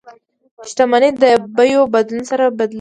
شتمني د بیو بدلون سره بدلیږي.